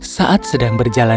saat sedang berjalan di hutan